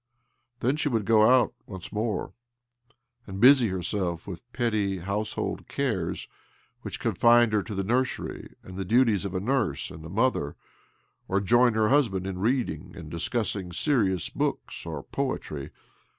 Then she would go out once more, and busy herself with petty household cares which confined her to the nursery and the duties of a nurse and a mother, or join her husband in readingf and discussing serious books or poetry.